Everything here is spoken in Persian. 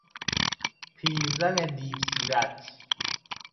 پیرزن دیوسیرت